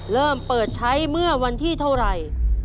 เริ่มเปิดใช้เมื่อวันที่เท่าไหร่